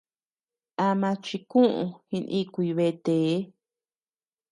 Ama chikuu jinikuy betee.